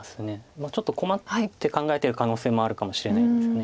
ちょっと困って考えてる可能性もあるかもしれないです。